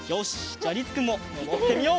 じゃありつくんものぼってみよう！